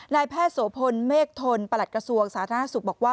นายแพทย์โสพลเมฆทนประหลัดกระทรวงสาธารณสุขบอกว่า